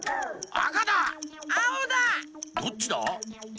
どっちだ？